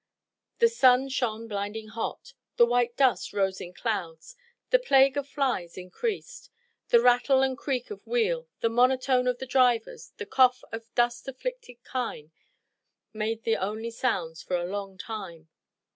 The sun shone blinding hot. The white dust rose in clouds. The plague of flies increased. The rattle and creak of wheel, the monotone of the drivers, the cough of dust afflicted kine made the only sounds for a long time.